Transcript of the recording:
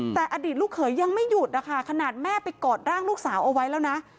แต่อดีตลูกเขยยังไม่หยุดนะคะขนาดแม่ไปกอดร่างลูกสาวเอาไว้แล้วนะ